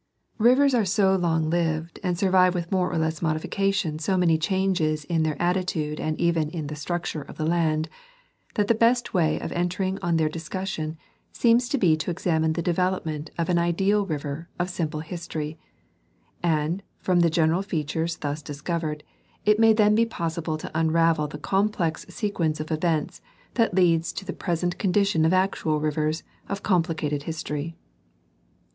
Rivers are so long lived and survive with more or less modifi cation so many changes in the attitude and even in the structure of the land, that the best way of entering on their discussion seems to be to examine the development of an ideal river of sim ple history, and from the general features thus discovered, it may then be possible to unravel the comjjlex sequence of events that leads to the present condition of actual rivers of complicated his tory.